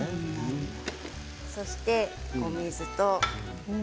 そしてお水と。